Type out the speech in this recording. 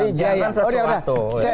jadi jangan sesuatu